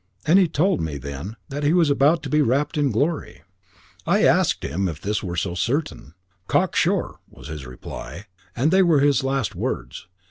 And he told me then that he was about to be wrapped in glory. I asked him if this were so certain. 'Cocksure' was his reply; and they were his last words.